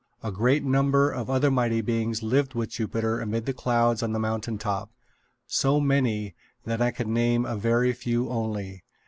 A great number of other Mighty Beings lived with Jupiter amid the clouds on the mountain top, so many that I can name a very few only.